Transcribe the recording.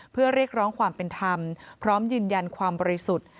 เพื่อเรียกร้องความเป็นธรรมพร้อมยืนยันความบริสุทธิ์